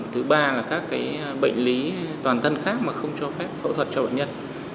thứ ba là các bệnh lý toàn thân khác mà không cho phép phẫu thuật cho bệnh nhân